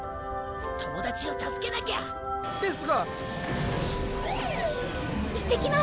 友達を助けなきゃ！ですが！いってきます！